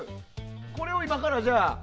これを今から。